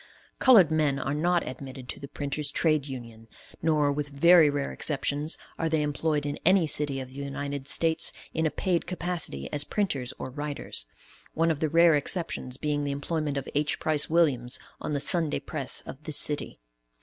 Colored men are not admitted to the printers' trade union, nor, with very rare exceptions are they employed in any city of the United States in a paid capacity as printers or writers; one of the rare exceptions being the employment of H. Price Williams, on the Sunday Press of this city.